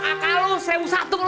akal lu seriwusatu lu